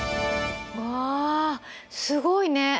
わすごいね！